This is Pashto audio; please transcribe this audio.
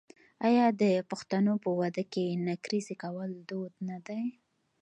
آیا د پښتنو په واده کې نکریزې کول دود نه دی؟